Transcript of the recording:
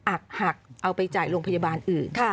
หักหักเอาไปจ่ายโรงพยาบาลอื่น